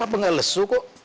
apa gak lesu kok